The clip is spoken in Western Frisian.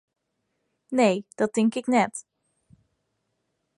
Nee, dat tink ik net.